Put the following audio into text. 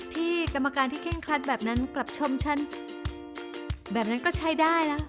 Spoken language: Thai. กรรมการที่เคร่งครัดแบบนั้นกลับชมฉันแบบนั้นก็ใช้ได้นะ